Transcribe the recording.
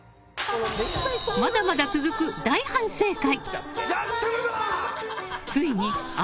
まだまだ続く大反省会。